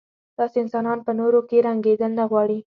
داسې انسانان په نورو کې رنګېدل نه غواړي.